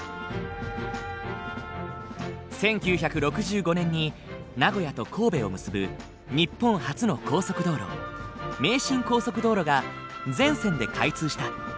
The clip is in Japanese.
１９６５年に名古屋と神戸を結ぶ日本初の高速道路名神高速道路が全線で開通した。